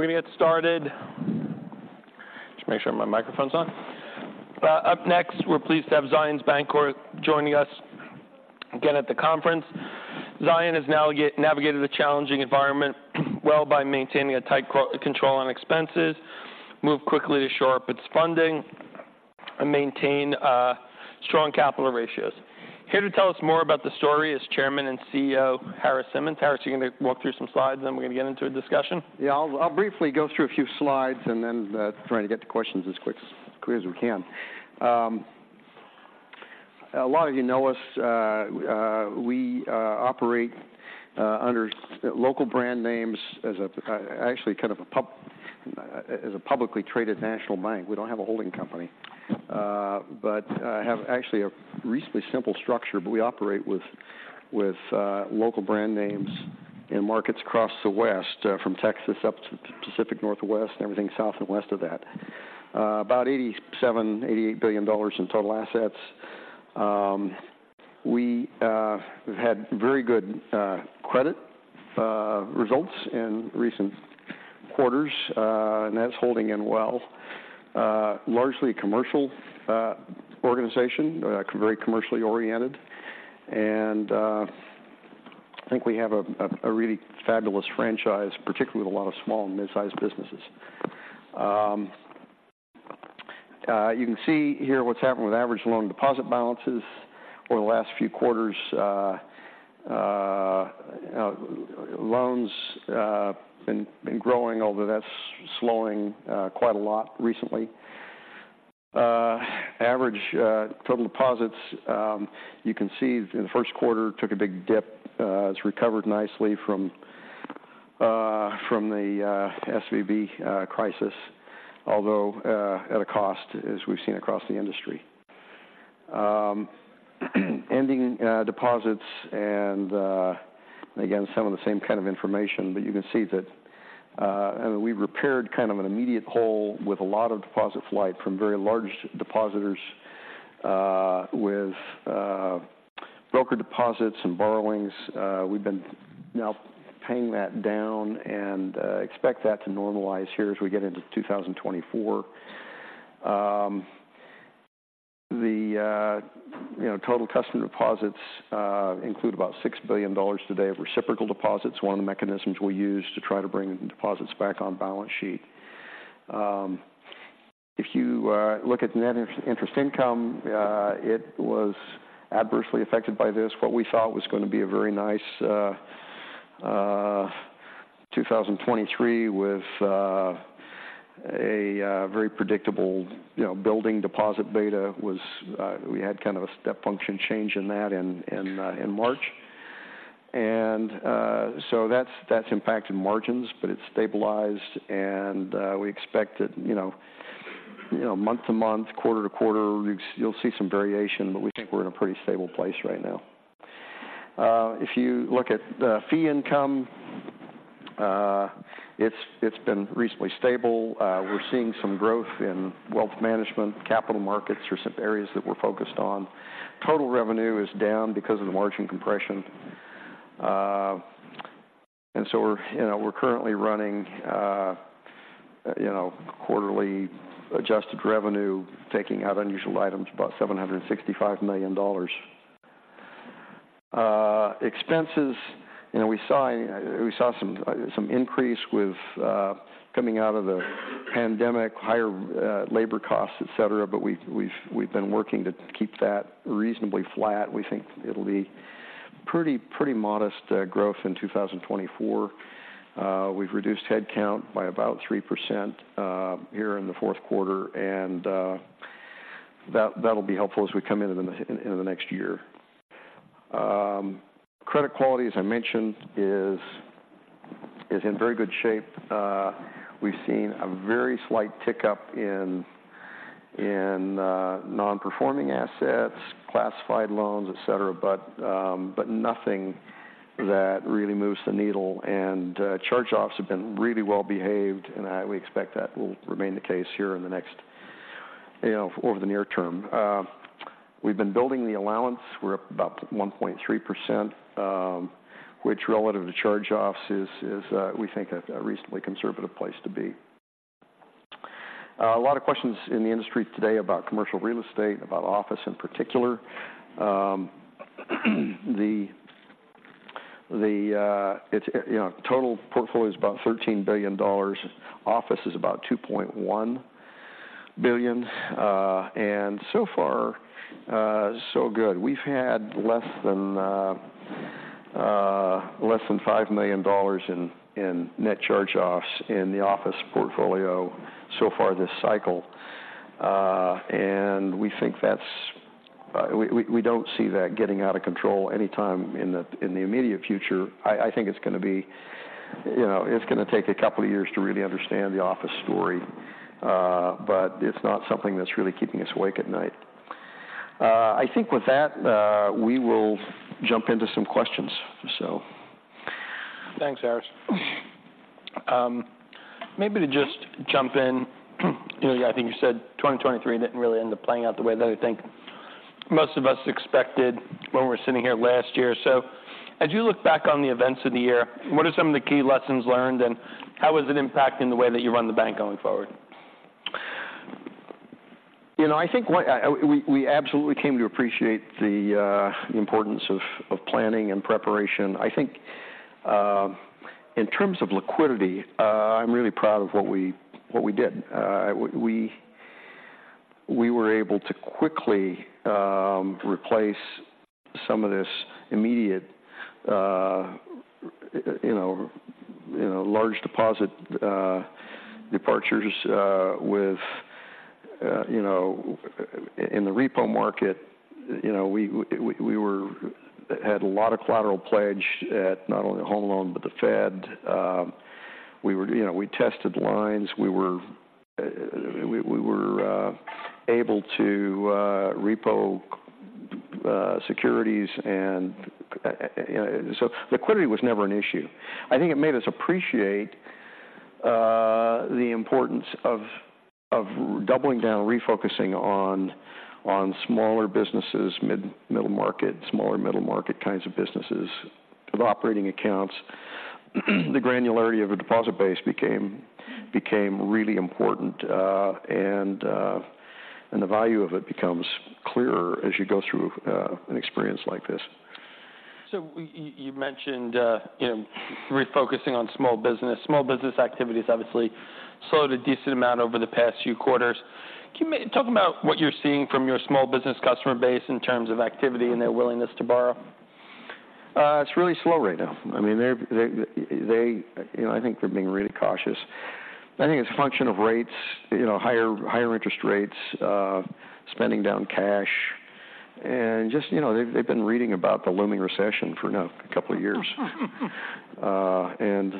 We're gonna get started. Just make sure my microphone's on. Up next, we're pleased to have Zions Bancorporation joining us again at the conference. Zions has navigated a challenging environment well by maintaining a tight control on expenses, moved quickly to shore up its funding, and maintain strong capital ratios. Here to tell us more about the story is Chairman and CEO, Harris Simmons. Harris, you're gonna walk through some slides, and then we're gonna get into a discussion. Yeah, I'll briefly go through a few slides and then try to get to questions as quick as we can. A lot of you know us. We operate under local brand names as a, actually kind of a publicly traded national bank. We don't have a holding company, but have actually a reasonably simple structure. But we operate with local brand names in markets across the West, from Texas up to Pacific Northwest, everything south and west of that. About $87-$88 billion in total assets. We've had very good credit results in recent quarters, and that's holding in well. Largely commercial organization, very commercially oriented, and I think we have a really fabulous franchise, particularly with a lot of small and mid-sized businesses. You can see here what's happened with average loan deposit balances over the last few quarters. You know, loans been growing, although that's slowing quite a lot recently. Average total deposits, you can see in the first quarter, took a big dip. It's recovered nicely from the SVB crisis, although at a cost, as we've seen across the industry. Ending deposits and again, some of the same kind of information, but you can see that, and we repaired kind of an immediate hole with a lot of deposit flight from very large depositors, with broker deposits and borrowings. We've been now paying that down and expect that to normalize here as we get into 2024. The, you know, total customer deposits include about $6 billion today of reciprocal deposits, one of the mechanisms we use to try to bring deposits back on balance sheet. If you look at net interest income, it was adversely affected by this. What we thought was gonna be a very nice 2023 with a very predictable, you know, building deposit beta was, we had kind of a step function change in that in in March. So that's impacted margins, but it's stabilized and we expect it, you know, month-over-month, quarter-over-quarter, you'll see some variation, but we think we're in a pretty stable place right now. If you look at the fee income, it's been reasonably stable. We're seeing some growth in wealth management. Capital markets are some areas that we're focused on. Total revenue is down because of the margin compression. And so we're, you know, we're currently running quarterly adjusted revenue, taking out unusual items, about $765 million. Expenses, you know, we saw some increase with coming out of the pandemic, higher labor costs, etcetera, but we've been working to keep that reasonably flat. We think it'll be pretty, pretty modest growth in 2024. We've reduced headcount by about 3% here in the fourth quarter, and that'll be helpful as we come into the next year. Credit quality, as I mentioned, is in very good shape. We've seen a very slight tick-up in non-performing assets, classified loans, etcetera, but nothing that really moves the needle. And charge-offs have been really well behaved, and we expect that will remain the case here in the next, you know, over the near term. We've been building the allowance. We're up about 1.3%, which relative to charge-offs is we think a reasonably conservative place to be. A lot of questions in the industry today about commercial real estate, about office in particular. The total portfolio is about $13 billion. Office is about $2.1 billion. And so far, so good. We've had less than $5 million in net charge-offs in the office portfolio so far this cycle. And we think that's... We don't see that getting out of control anytime in the immediate future. I think it's gonna be, you know, it's gonna take a couple of years to really understand the office story, but it's not something that's really keeping us awake at night. I think with that, we will jump into some questions. So, Thanks, Harris. Maybe to just jump in, you know, I think you said 2023 didn't really end up playing out the way that we think... most of us expected when we're sitting here last year. So as you look back on the events of the year, what are some of the key lessons learned, and how is it impacting the way that you run the bank going forward? You know, I think we absolutely came to appreciate the importance of planning and preparation. I think in terms of liquidity, I'm really proud of what we did. We were able to quickly replace some of this immediate, you know, large deposit departures with, you know, in the repo market. You know, we had a lot of collateral pledged at not only Home Loan, but the Fed. We were, you know, we tested lines. We were able to repo securities, and so liquidity was never an issue. I think it made us appreciate the importance of doubling down, refocusing on smaller businesses, middle market, smaller middle market kinds of businesses with operating accounts. The granularity of a deposit base became really important, and the value of it becomes clearer as you go through an experience like this. So you mentioned, you know, refocusing on small business. Small business activity has obviously slowed a decent amount over the past few quarters. Can you talk about what you're seeing from your small business customer base in terms of activity and their willingness to borrow? It's really slow right now. I mean, they're you know, I think they're being really cautious. I think it's a function of rates, you know, higher interest rates, spending down cash, and just you know, they've been reading about the looming recession for now a couple of years. And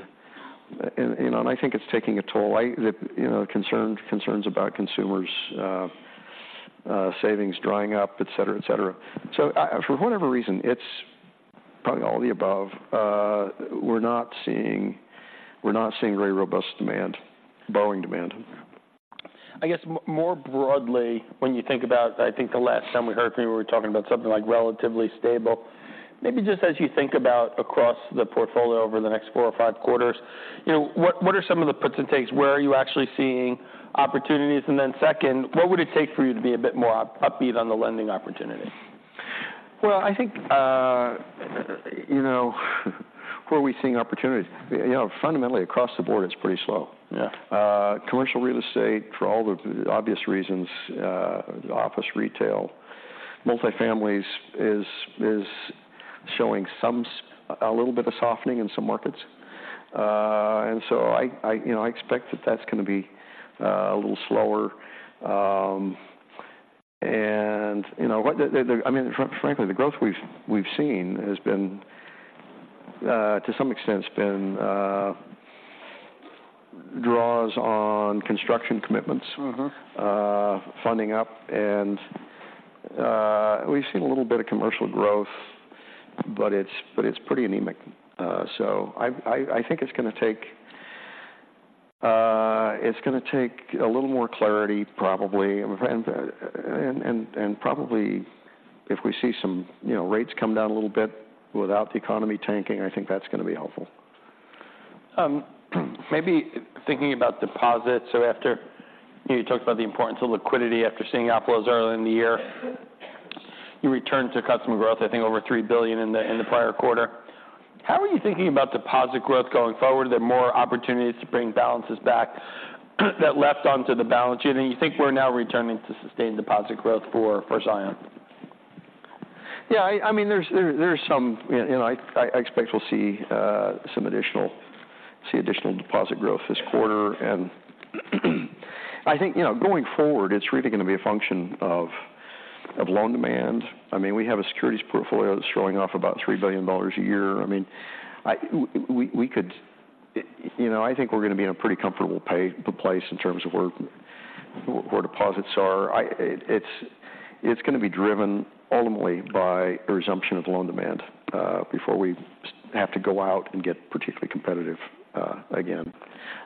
you know, I think it's taking a toll. You know, concerns about consumers, savings drying up, etcetera, etcetera. So for whatever reason, it's probably all the above. We're not seeing very robust demand, borrowing demand. I guess more broadly, when you think about... I think the last time we heard from you, we were talking about something like relatively stable. Maybe just as you think about across the portfolio over the next four or five quarters, you know, what, what are some of the puts and takes? Where are you actually seeing opportunities? And then second, what would it take for you to be a bit more upbeat on the lending opportunity? Well, I think, you know, where are we seeing opportunities? You know, fundamentally, across the board, it's pretty slow. Yeah. Commercial real estate, for all the obvious reasons, office retail, multifamily is showing some a little bit of softening in some markets. And so I, you know, I expect that that's going to be a little slower. And you know what? I mean, frankly, the growth we've seen has been, to some extent, been draws on construction commitments, Mm-hmm.... funding up, and we've seen a little bit of commercial growth, but it's pretty anemic. So I think it's gonna take a little more clarity, probably, and probably if we see some, you know, rates come down a little bit without the economy tanking, I think that's gonna be helpful. Maybe thinking about deposits. So after you talked about the importance of liquidity after seeing outflows earlier in the year, you returned to customer growth, I think, over $3 billion in the prior quarter. How are you thinking about deposit growth going forward? Are there more opportunities to bring balances back that left onto the balance sheet, and you think we're now returning to sustained deposit growth for Zions? Yeah, I mean, there's some... You know, I expect we'll see some additional deposit growth this quarter. And, I think, you know, going forward, it's really going to be a function of loan demand. I mean, we have a securities portfolio that's throwing off about $3 billion a year. I mean, we could... You know, I think we're going to be in a pretty comfortable place in terms of where deposits are. It's going to be driven ultimately by a resumption of loan demand before we have to go out and get particularly competitive again.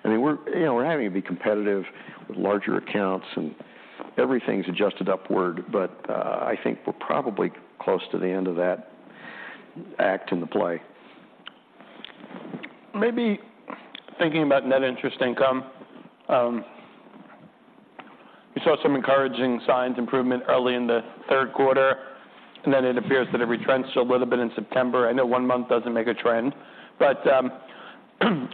I mean, we're, you know, we're having to be competitive with larger accounts, and everything's adjusted upward, but I think we're probably close to the end of that act in the play. Maybe thinking about net interest income. We saw some encouraging signs, improvement early in the third quarter, and then it appears that it retrenched a little bit in September. I know one month doesn't make a trend, but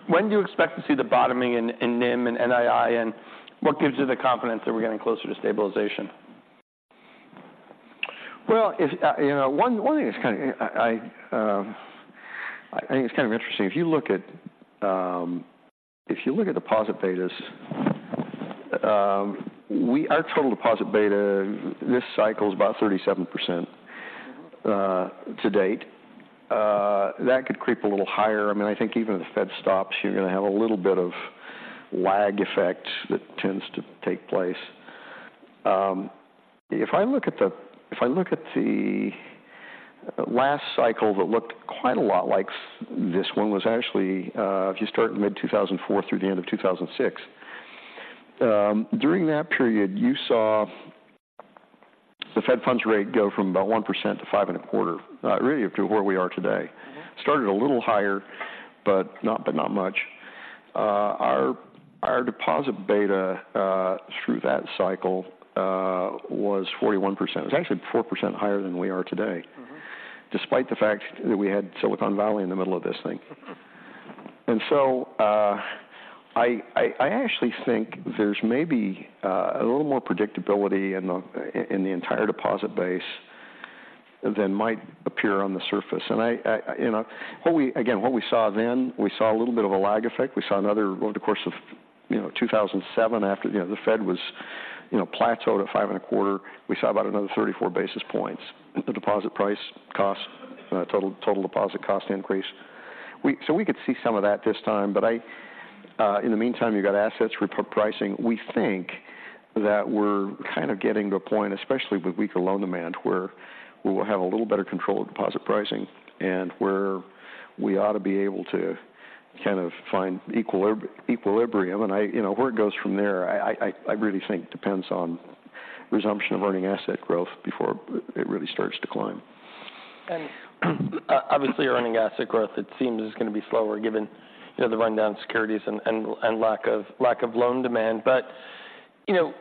when do you expect to see the bottoming in NIM and NII, and what gives you the confidence that we're getting closer to stabilization? Well, if you know, one thing that's kind of, I think it's kind of interesting. If you look at deposit betas, our total deposit beta this cycle is about 37%, to date. That could creep a little higher. I mean, I think even if the Fed stops, you're going to have a little bit of lag effect that tends to take place. If I look at the last cycle that looked quite a lot like this one, was actually, if you start in mid-2004 through the end of 2006. During that period, you saw the Fed funds rate go from about 1% to 5.25%, really to where we are today. Mm-hmm. Started a little higher, but not much. Our deposit Beta through that cycle was 41%. It's actually 4% higher than we are today. Mm-hmm. Despite the fact that we had Silicon Valley in the middle of this thing. So, I actually think there's maybe a little more predictability in the entire deposit base than might appear on the surface. You know, what we— Again, what we saw then, we saw a little bit of a lag effect. We saw another over the course of 2007, after the Fed was plateaued at 5.25%. We saw about another 34 basis points in the deposit price cost, total deposit cost increase. So we could see some of that this time, but... In the meantime, you've got assets repricing. We think that we're kind of getting to a point, especially with weaker loan demand, where we will have a little better control of deposit pricing and where we ought to be able to kind of find equilibrium. You know, where it goes from there, I really think depends on resumption of earning asset growth before it really starts to climb. And obviously, your earning asset growth, it seems, is going to be slower given, you know, the rundown securities and lack of loan demand. But, you know,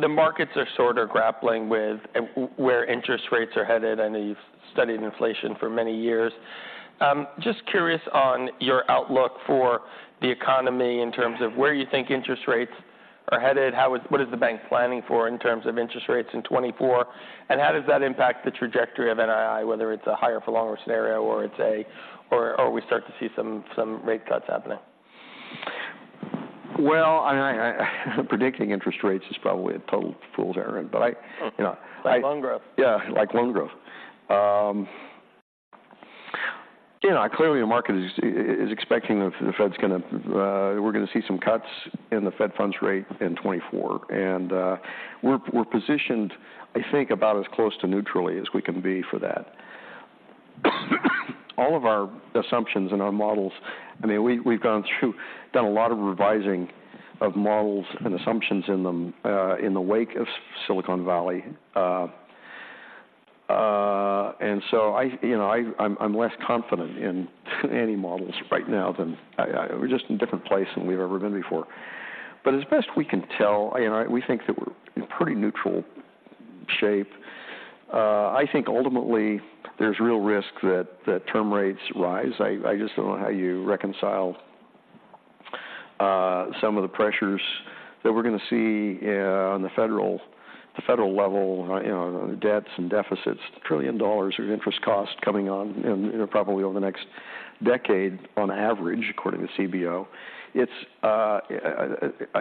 the markets are sort of grappling with where interest rates are headed. I know you've studied inflation for many years. Just curious on your outlook for the economy in terms of where you think interest rates are headed. What is the bank planning for in terms of interest rates in 2024? And how does that impact the trajectory of NII, whether it's a higher-for-longer scenario or we start to see some rate cuts happening? Well, I mean, predicting interest rates is probably a total fool's errand, but, you know, I, Like Long Grove. Yeah, like Long Grove. You know, clearly the market is expecting the Fed's gonna, we're gonna see some cuts in the Fed funds rate in 2024, and, we're positioned, I think, about as close to neutrally as we can be for that. All of our assumptions and our models, I mean, we, we've gone through, done a lot of revising of models and assumptions in them, in the wake of Silicon Valley. And so I, you know, I, I'm less confident in any models right now than I... We're just in a different place than we've ever been before. But as best we can tell, you know, we think that we're in pretty neutral shape. I think ultimately there's real risk that term rates rise. I, I just don't know how you reconcile some of the pressures that we're going to see on the federal, the federal level, you know, debts and deficits, $1 trillion of interest costs coming on in, you know, probably over the next decade on average, according to CBO. It's,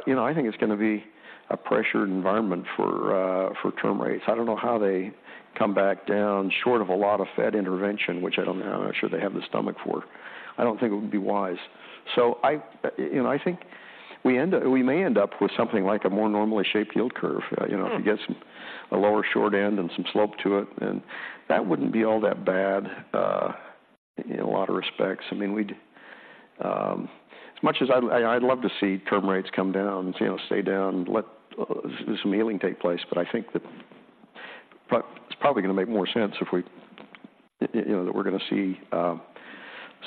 you know, I think it's going to be a pressured environment for term rates. I don't know how they come back down short of a lot of Fed intervention, which I don't know, I'm not sure they have the stomach for. I don't think it would be wise. So I, you know, I think we end up - we may end up with something like a more normally shaped yield curve. Mm. You know, if you get some, a lower short end and some slope to it, and that wouldn't be all that bad in a lot of respects. I mean, we'd... As much as I, I'd love to see term rates come down, you know, stay down, let some healing take place, but I think that it's probably going to make more sense if we, you know, that we're going to see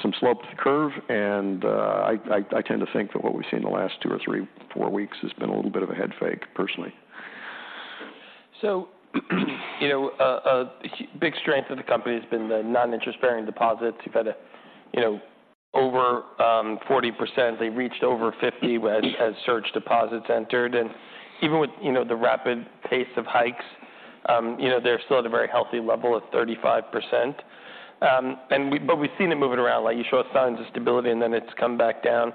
some slope to the curve. And I tend to think that what we've seen in the last two or three, four weeks has been a little bit of a head fake, personally. So, you know, a big strength of the company has been the non-interest-bearing deposits. You've had a, you know, over 40%. They reached over 50% as surge deposits entered. And even with, you know, the rapid pace of hikes, you know, they're still at a very healthy level of 35%. And but we've seen it moving around. Like, you show us signs of stability, and then it's come back down.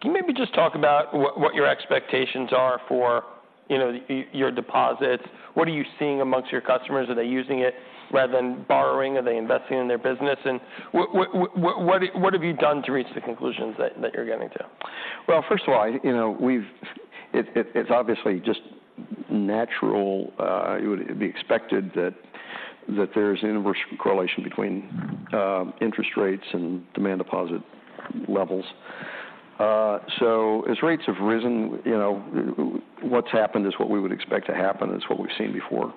Can you maybe just talk about what your expectations are for, you know, your deposits? What are you seeing amongst your customers? Are they using it rather than borrowing? Are they investing in their business? And what have you done to reach the conclusions that you're getting to? Well, first of all, you know, it's obviously just natural. It would be expected that there's an inverse correlation between interest rates and demand deposit levels. So as rates have risen, you know, what's happened is what we would expect to happen. It's what we've seen before.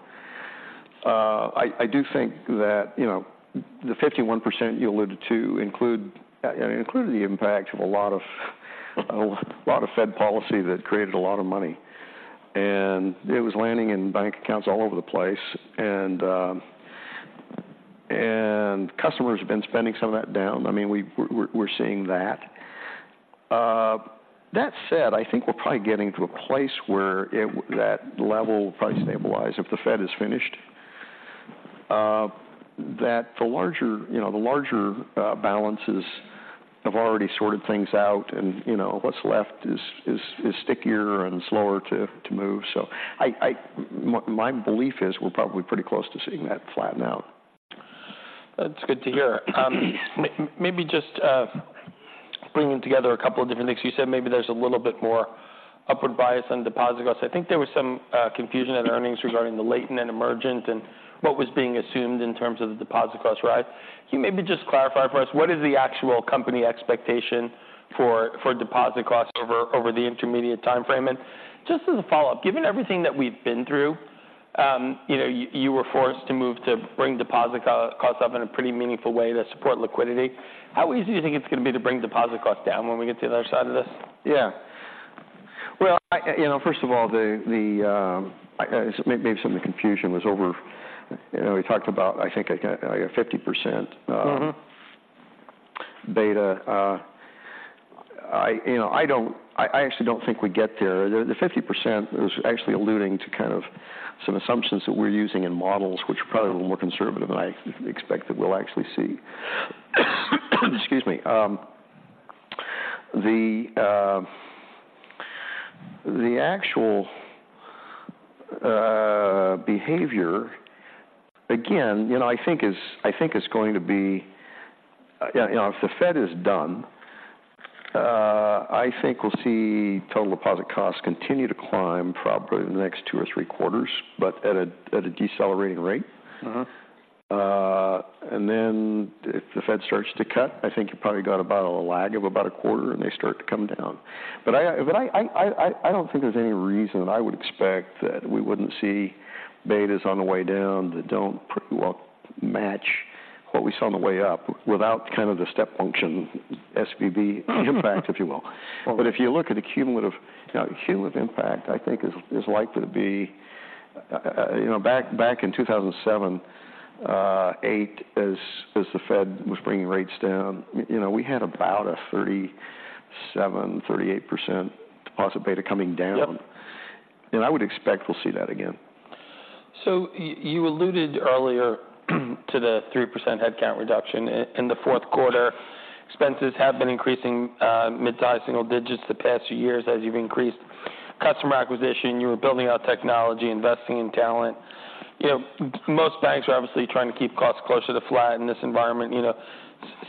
I do think that, you know, the 51% you alluded to includes, including the impact of a lot of Fed policy that created a lot of money, and it was landing in bank accounts all over the place. And customers have been spending some of that down. I mean, we're seeing that. That said, I think we're probably getting to a place where that level will probably stabilize if the Fed is finished. That the larger, you know, the larger balances have already sorted things out, and, you know, what's left is stickier and slower to move. So, I, my belief is we're probably pretty close to seeing that flatten out. That's good to hear. Maybe just bringing together a couple of different things. You said maybe there's a little bit more upward bias on deposit costs. I think there was some confusion in earnings regarding the latent and emergent and what was being assumed in terms of the deposit costs, right? Can you maybe just clarify for us what is the actual company expectation for deposit costs over the intermediate time frame? And just as a follow-up, given everything that we've been through, you know, you were forced to move to bring deposit costs up in a pretty meaningful way to support liquidity. How easy do you think it's gonna be to bring deposit costs down when we get to the other side of this? Yeah. Well, I, you know, first of all, maybe some of the confusion was over. You know, we talked about, I think, like, a 50%, Mm-hmm. -beta. You know, I actually don't think we get there. The 50% was actually alluding to kind of some assumptions that we're using in models, which are probably a little more conservative than I expect that we'll actually see. Excuse me. The actual behavior, again, you know, I think is going to be... Yeah, you know, if the Fed is done, I think we'll see total deposit costs continue to climb probably in the next two or three quarters, but at a decelerating rate. Mm-hmm. And then if the Fed starts to cut, I think you probably got about a lag of about a quarter, and they start to come down. But I don't think there's any reason that I would expect that we wouldn't see betas on the way down that don't pretty well match what we saw on the way up without kind of the step function, SVB impact, if you will. Mm-hmm. But if you look at the cumulative, you know, cumulative impact, I think is likely to be, you know, back, back in 2007, 2008, as, as the Fed was bringing rates down, you know, we had about a 37%-38% deposit beta coming down. Yep. I would expect we'll see that again. You alluded earlier to the 3% headcount reduction in the fourth quarter. Expenses have been increasing mid-to-high single digits the past few years as you've increased customer acquisition, you were building out technology, investing in talent. You know, most banks are obviously trying to keep costs closer to flat in this environment, you know,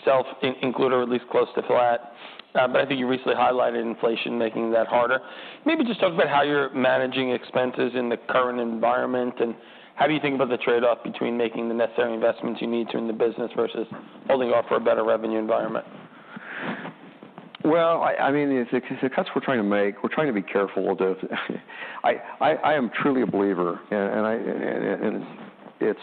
self included, or at least close to flat. But I think you recently highlighted inflation making that harder. Maybe just talk about how you're managing expenses in the current environment, and how do you think about the trade-off between making the necessary investments you need to in the business versus holding off for a better revenue environment? Well, I mean, the cuts we're trying to make, we're trying to be careful with. I am truly a believer, and it's,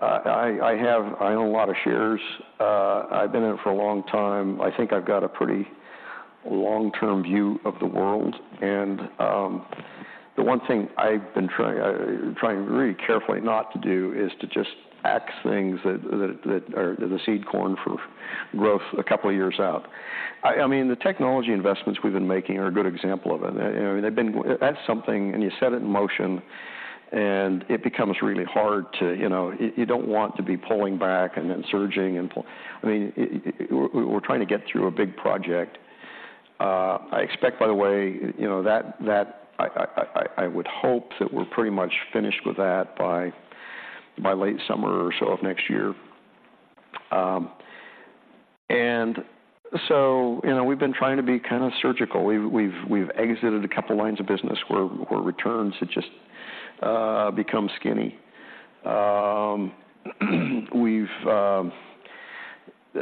I have—I own a lot of shares. I've been in it for a long time. I think I've got a pretty long-term view of the world, and the one thing I've been trying really carefully not to do is to just ax things that are the seed corn for growth a couple of years out. I mean, the technology investments we've been making are a good example of it. You know, they've been... That's something, and you set it in motion, and it becomes really hard to, you know, you don't want to be pulling back and then surging. I mean, we're trying to get through a big project. I expect, by the way, you know, that I would hope that we're pretty much finished with that by late summer or so of next year. And so, you know, we've been trying to be kind of surgical. We've exited a couple lines of business where returns had just become skinny. We've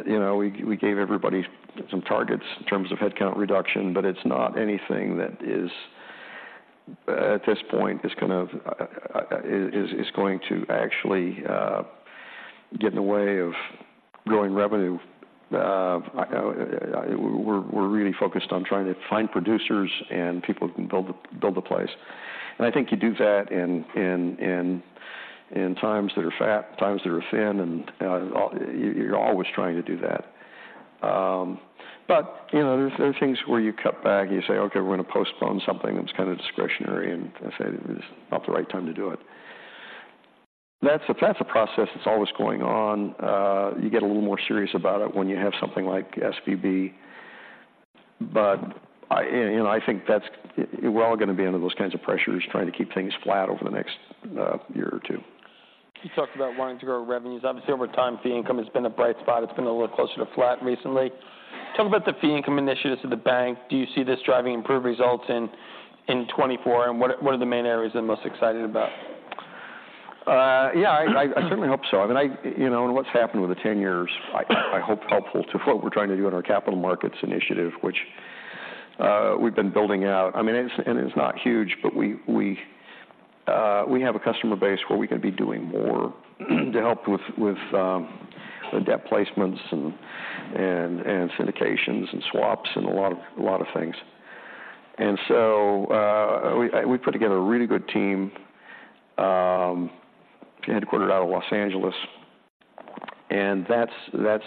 you know, we gave everybody some targets in terms of headcount reduction, but it's not anything that is, at this point, kind of going to actually get in the way of growing revenue. We're really focused on trying to find producers and people who can build the place. I think you do that in times that are fat, times that are thin, and you're always trying to do that. But you know, there are things where you cut back, and you say: Okay, we're going to postpone something that's kind of discretionary, and say it's not the right time to do it. That's a process that's always going on. You get a little more serious about it when you have something like SVB. But I think that's. We're all going to be under those kinds of pressures, trying to keep things flat over the next year or two. You talked about wanting to grow revenues. Obviously, over time, fee income has been a bright spot. It's been a little closer to flat recently. Tell me about the fee income initiatives of the bank. Do you see this driving improved results in 2024, and what are the main areas you're most excited about? Yeah, I certainly hope so. I mean, You know, what's happened over the 10 years, I hope, helpful to what we're trying to do in our capital markets initiative, which, we've been building out. I mean, and it's not huge, but we have a customer base where we can be doing more, to help with the debt placements and syndications and swaps and a lot of things. And so, we put together a really good team, headquartered out of Los Angeles, and that's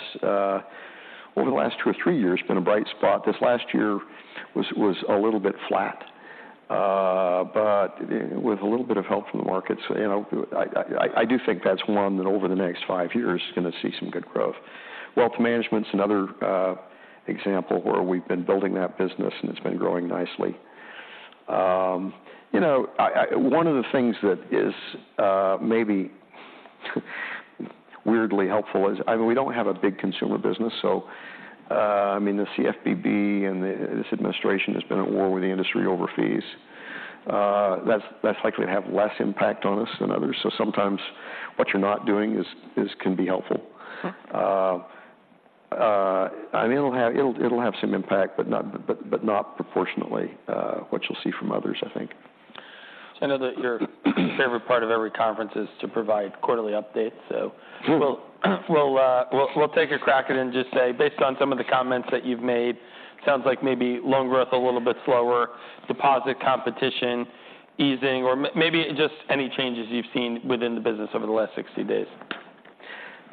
over the last two or three years, been a bright spot. This last year was a little bit flat, but with a little bit of help from the markets, you know, I do think that's one that, over the next five years, is going to see some good growth. Wealth management's another example where we've been building that business, and it's been growing nicely. You know, one of the things that is maybe weirdly helpful is, I mean, we don't have a big consumer business, so, I mean, the CFPB and this administration has been at war with the industry over fees. That's likely to have less impact on us than others. So sometimes what you're not doing is can be helpful. I mean, it'll have some impact, but not proportionately what you'll see from others, I think. I know that your favorite part of every conference is to provide quarterly updates, so, Mm-hmm. We'll take a crack at it and just say, based on some of the comments that you've made, sounds like maybe loan growth a little bit slower, deposit competition easing, or maybe just any changes you've seen within the business over the last 60 days.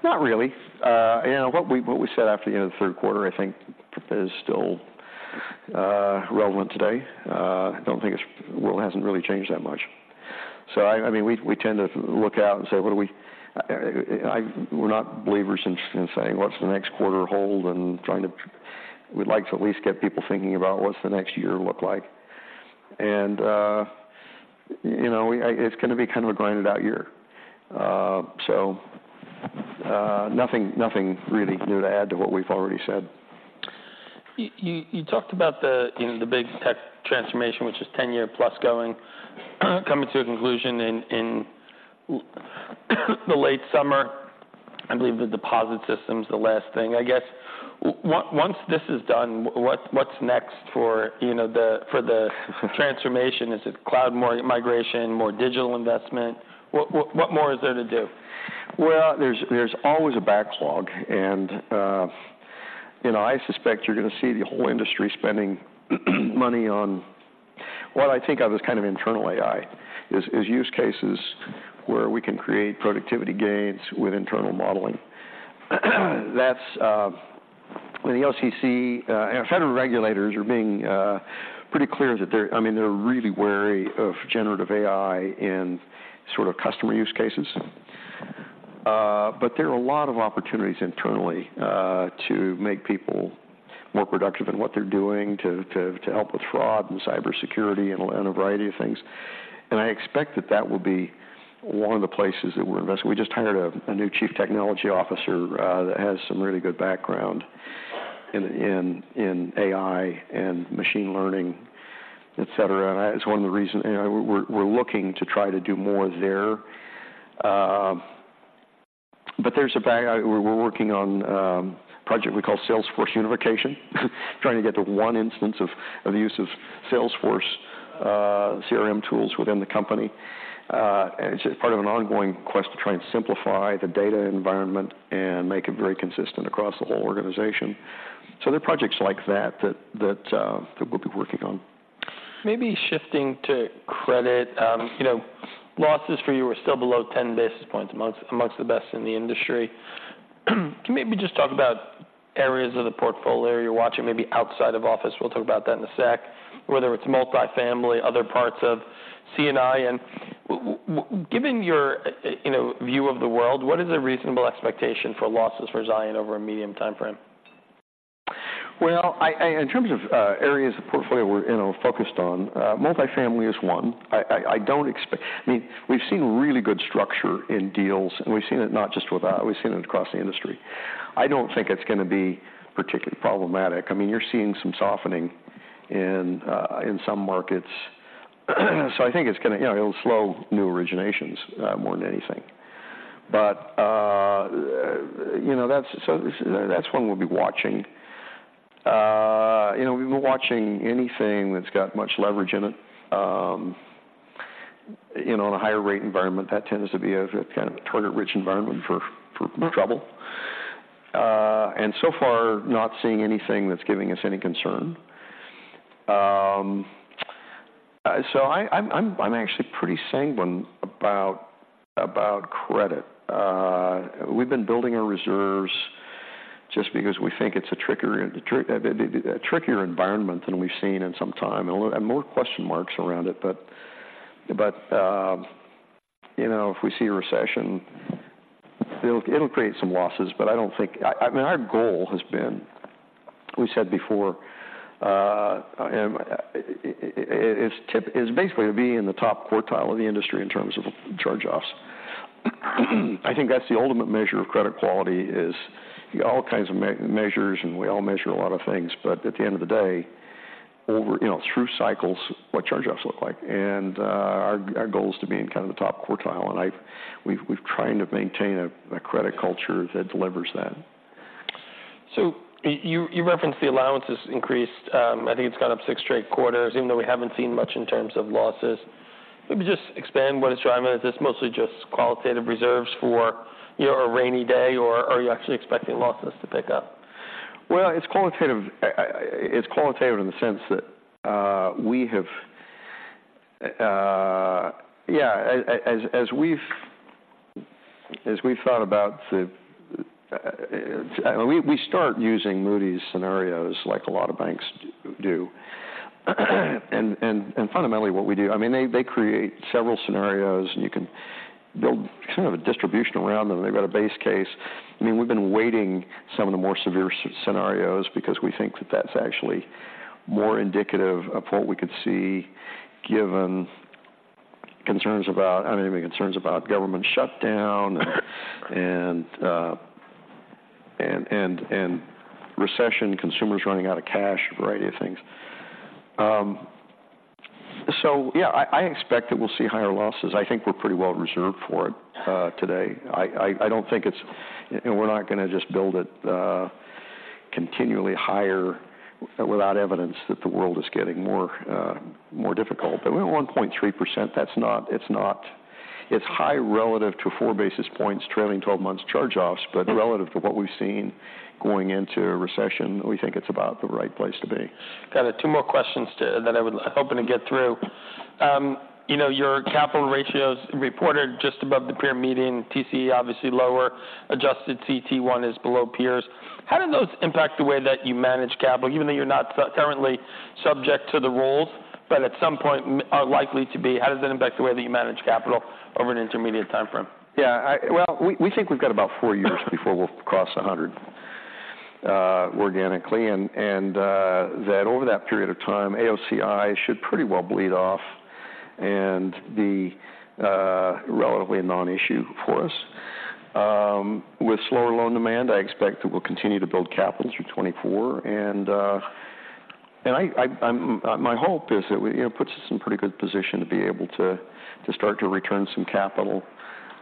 Not really. You know, what we said after the end of the third quarter, I think is still relevant today. I don't think it's-- well, it hasn't really changed that much. So I mean, we tend to look out and say: What do we-- we're not believers in saying what's the next quarter hold and trying to-- we'd like to at least get people thinking about what's the next year look like. And, you know, we-- it's gonna be kind of a grind-it-out year. So, nothing really new to add to what we've already said. You, you talked about the, you know, the big tech transformation, which is 10-year plus going, coming to a conclusion in, in the late summer. I believe the deposit system's the last thing. I guess, once this is done, what, what's next for, you know, the, for the transformation? Is it cloud migration, more digital investment? What, what, what more is there to do? Well, there's always a backlog and, you know, I suspect you're gonna see the whole industry spending money on what I think of as kind of internal AI use cases where we can create productivity gains with internal modeling. That's when the OCC and our federal regulators are being pretty clear that they're-- I mean, they're really wary of generative AI and sort of customer use cases. But there are a lot of opportunities internally to make people more productive in what they're doing, to help with fraud and cybersecurity and a variety of things. And I expect that that will be one of the places that we're investing. We just hired a new Chief Technology Officer that has some really good background in AI and machine learning, etcetera. And that is one of the reasons and we're looking to try to do more there. But we're working on a project we call Salesforce Unification, trying to get to one instance of the use of Salesforce CRM tools within the company. And it's just part of an ongoing quest to try and simplify the data environment and make it very consistent across the whole organization. So there are projects like that that we'll be working on. Maybe shifting to credit. You know, losses for you are still below ten basis points, amongst the best in the industry. Can you maybe just talk about areas of the portfolio you're watching, maybe outside of office? We'll talk about that in a sec. Whether it's multifamily, other parts of C&I. Given your, you know, view of the world, what is a reasonable expectation for losses for Zions over a medium timeframe? Well, in terms of areas of the portfolio we're, you know, focused on, multifamily is one. I don't expect—I mean, we've seen really good structure in deals, and we've seen it not just with us, we've seen it across the industry. I don't think it's gonna be particularly problematic. I mean, you're seeing some softening in, in some markets. So I think it's gonna, you know, it'll slow new originations, more than anything. But, you know, that's, so that's one we'll be watching. You know, we've been watching anything that's got much leverage in it. You know, in a higher rate environment, that tends to be a, kind of a target-rich environment for trouble. And so far, not seeing anything that's giving us any concern. So I'm actually pretty sanguine about credit. We've been building our reserves just because we think it's a trickier environment than we've seen in some time, and more question marks around it. But you know, if we see a recession, it'll create some losses, but I don't think. I mean, our goal has been, we said before, and it's basically to be in the top quartile of the industry in terms of charge-offs. I think that's the ultimate measure of credit quality, is all kinds of measures, and we all measure a lot of things, but at the end of the day, over you know, through cycles, what charge-offs look like. Our goal is to be in kind of the top quartile, and we've tried to maintain a credit culture that delivers that. So you referenced the allowances increased. I think it's gone up six straight quarters, even though we haven't seen much in terms of losses. Let me just expand what it's driving. Is this mostly just qualitative reserves for, you know, a rainy day, or are you actually expecting losses to pick up? Well, it's qualitative. It's qualitative in the sense that we have... Yeah, as we've thought about the, we start using Moody's scenarios like a lot of banks do. Fundamentally what we do, I mean, they create several scenarios, and you can build kind of a distribution around them, and they've got a base case. I mean, we've been weighting some of the more severe scenarios because we think that that's actually more indicative of what we could see, given concerns about, I mean, concerns about government shutdown and recession, consumers running out of cash, a variety of things. So yeah, I expect that we'll see higher losses. I think we're pretty well reserved for it today. I don't think it's, and we're not gonna just build it continually higher without evidence that the world is getting more, more difficult. But we're at 1.3%. That's not, it's not. It's high relative to four basis points, trailing 12 months charge-offs, but relative to what we've seen going into a recession, we think it's about the right place to be. Got it. Two more questions that I would—I'm hoping to get through. You know, your capital ratios reported just above the peer median, TCE obviously lower. Adjusted CET1 is below peers. How do those impact the way that you manage capital, even though you're not currently subject to the rules, but at some point are likely to be? How does that impact the way that you manage capital over an intermediate time frame? Yeah, well, we think we've got about four years before we'll cross 100 organically, and that over that period of time, AOCI should pretty well bleed off and be relatively a non-issue for us. With slower loan demand, I expect that we'll continue to build capital through 2024, and I... My hope is that, you know, it puts us in pretty good position to be able to, to start to return some capital,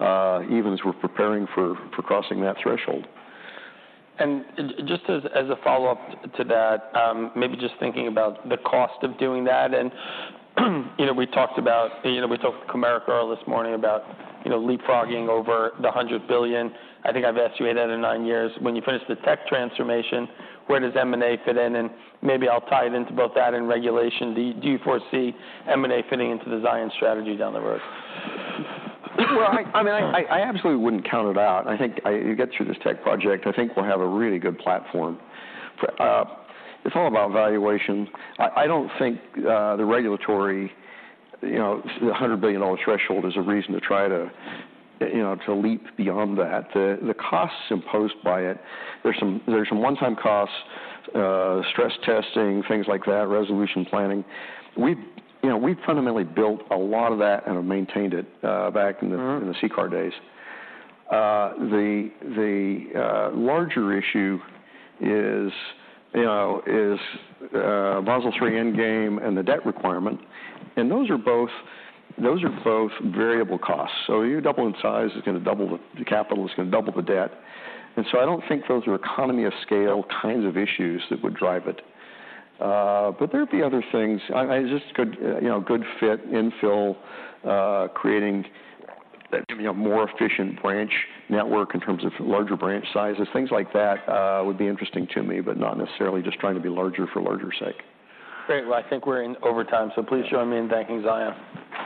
even as we're preparing for, for crossing that threshold. Just as a follow-up to that, maybe just thinking about the cost of doing that. You know, we talked about, you know, we talked with Comerica earlier this morning about, you know, leapfrogging over the $100 billion. I think I've asked you eight out of nine years. When you finish the tech transformation, where does M&A fit in? And maybe I'll tie it into both that and regulation. Do you foresee M&A fitting into the Zions strategy down the road? Well, I mean, I absolutely wouldn't count it out. I think—you get through this tech project, I think we'll have a really good platform. It's all about valuations. I don't think the regulatory, you know, the $100 billion threshold is a reason to try to, you know, to leap beyond that. The costs imposed by it, there's some, there's some one-time costs, stress testing, things like that, resolution planning. We've, you know, we've fundamentally built a lot of that and have maintained it back in the, Mm-hmm.... in the CCAR days. The larger issue is, you know, is Basel III Endgame and the debt requirement, and those are both, those are both variable costs. So you double in size, it's gonna double the capital, it's gonna double the debt. So I don't think those are economy of scale kinds of issues that would drive it. But there'd be other things. I just good, you know, good fit, infill, creating a, you know, more efficient branch network in terms of larger branch sizes. Things like that would be interesting to me, but not necessarily just trying to be larger for larger sake. Great. Well, I think we're in overtime, so please join me in thanking Zions.